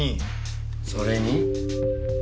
それに？